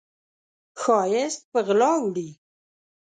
ښایست په غلا وړي